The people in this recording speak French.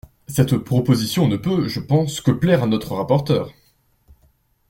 Cette proposition ne peut, je pense, que plaire à notre rapporteur.